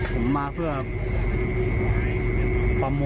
หือโห